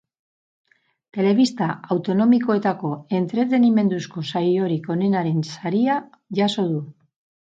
Telebista autonomikoetako entretenimenduzko saiorik onenaren saria jaso du.